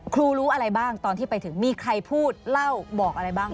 รู้อะไรบ้างตอนที่ไปถึงมีใครพูดเล่าบอกอะไรบ้าง